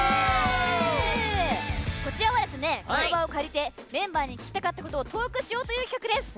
こちらは、この場を借りてメンバーに聞きたかったことをトークしようという企画です。